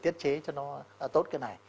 tiết chế cho nó tốt cái này